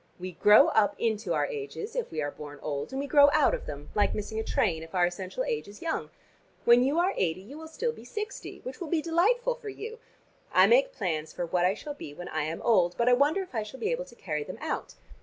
We grow up into our ages if we are born old, and we grow out of them, like missing a train, if our essential age is young. When you are eighty, you will still be sixty, which will be delightful for you. I make plans for what I shall be when I am old, but I wonder if I shall be able to carry them out.